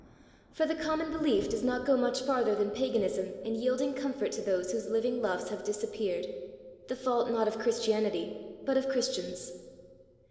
For the common belief does not go much farther than paganism in yielding comfort to those whose living loves have disappeared the fault not of Christianity, but of Christians.